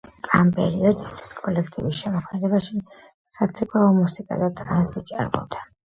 ამ პერიოდისთვის კოლექტივის შემოქმედებაში საცეკვაო მუსიკა და ტრანსი ჭარბობდა.